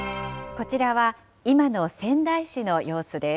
こちらは、今の仙台市の様子です。